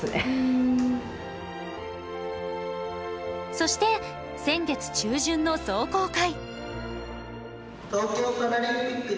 そして、先月中旬の壮行会。